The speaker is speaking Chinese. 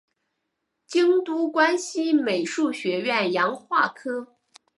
京都关西美术学院洋画科